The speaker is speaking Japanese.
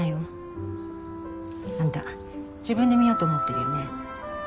あんた自分で見ようと思ってるよね。